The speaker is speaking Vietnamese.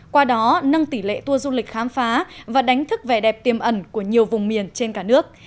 qua đó nâng tỷ lệ tour du lịch khám phá và đánh thức vẻ đẹp tiềm ẩn của nhiều vùng miền trên cả nước